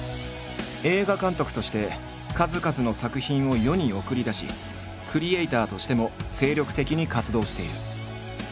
映画監督として数々の作品を世に送り出しクリエーターとしても精力的に活動している。